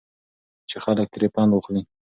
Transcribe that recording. چې خلک ترې پند واخلي.